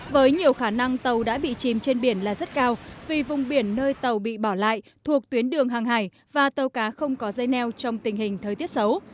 với nhiều khả năng tàu đã bị chìm trên biển là rất cao vì vùng biển nơi tàu bị bỏ lại thuộc tuyến đường hàng hải và tàu cá không có dây neo trong tình hình thời tiết xấu